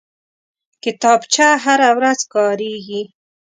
کتابچه هره ورځ کارېږي